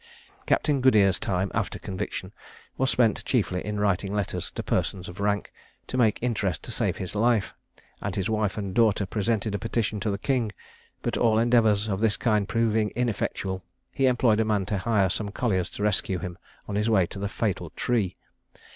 Captain Goodere's time, after conviction, was spent chiefly in writing letters to persons of rank, to make interest to save his life; and his wife and daughter presented a petition to the king: but all endeavours of this kind proving ineffectual, he employed a man to hire some colliers to rescue him on his way to the fatal tree.